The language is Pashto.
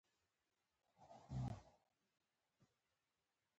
طبیعي تېل وېښتيان تقویه کوي.